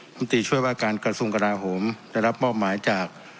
มตรีช่วยว่าการกระทรวงกราโหมได้รับมอบหมายจาก